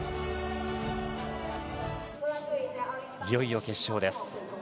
いよいよ決勝です。